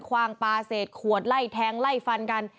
คว่างปลาเศษขวดไล่แทงไล่ฟันกัน